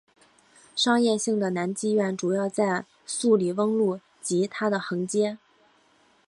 商业性的男妓院主要在素里翁路及它的横街。